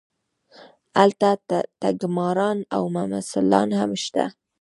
هلته ټګماران او ممثلان هم شته.